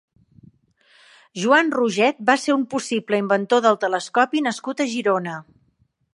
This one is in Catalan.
Joan Roget va ser un possible inventor del telescopi nascut a Girona.